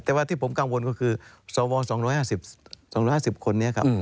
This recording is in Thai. แต่ว่าที่ผมกังวลก็คือสว๒๕๐คนนี้ครับ